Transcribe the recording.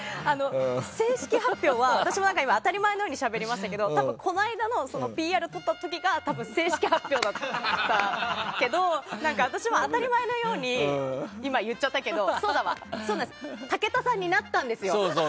正式発表は、私も今当たり前のように話しましたけどこの間のＰＲを撮った時が多分、正式発表だったけど私も当たり前のように今、言っちゃったけど武田さんになったんですよ。